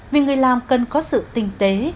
vì người làm cần có sự tinh tế